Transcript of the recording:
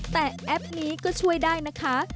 แต่แอปนี้ก็ช่วยได้นะคะ